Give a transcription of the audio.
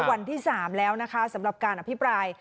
วันที่๓แล้วนะคะสำหรับการอภิปราย